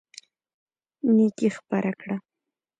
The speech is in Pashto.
نيکي خپره کړه.